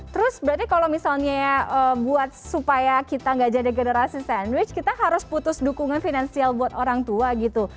terus berarti kalau misalnya buat supaya kita gak jadi generasi sandwich kita harus putus dukungan finansial buat orang tua gitu